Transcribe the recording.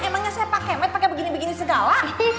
emangnya saya pake med pake begini begini segala